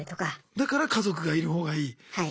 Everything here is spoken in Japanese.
だから家族がいるほうがいい。